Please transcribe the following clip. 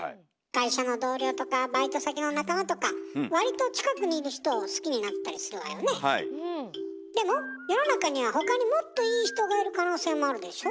会社の同僚とかバイト先の仲間とか割とでも世の中には他にもっといい人がいる可能性もあるでしょ？